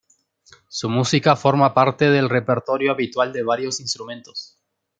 Su música forma parte del repertorio habitual de varios instrumentos.